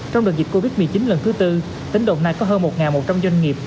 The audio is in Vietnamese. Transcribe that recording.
trong đợt dịch covid một mươi chín lần thứ tư tỉnh đồng nai có hơn một một trăm linh doanh nghiệp